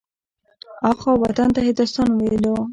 اخوا وطن ته هندوستان ويلو.